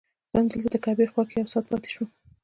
زه همدلته د کعبې خوا کې یو ساعت پاتې شوم.